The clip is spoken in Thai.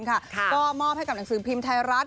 ก็มอบให้กับหนังสือพิมพ์ไทยรัฐ